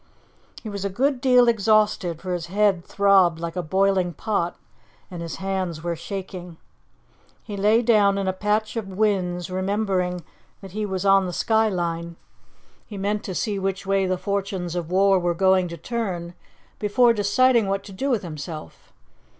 He was a good deal exhausted, for his head throbbed like a boiling pot, and his hands were shaking. He lay down in a patch of whins, remembering that he was on the sky line. He meant to see which way the fortunes of war were going to turn before deciding what to do with himself.